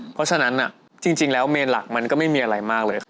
เพราะฉะนั้นจริงแล้วเมนหลักมันก็ไม่มีอะไรมากเลย